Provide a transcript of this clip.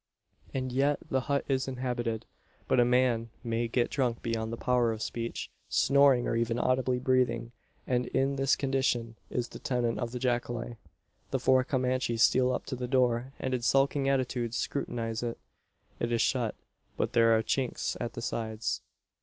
And yet the hut is inhabited. But a man may get drunk beyond the power of speech, snoring, or even audibly breathing; and in this condition is the tenant of the jacale. The four Comanches steal up to the door; and in skulking attitudes scrutinise it. It is shut; but there are chinks at the sides.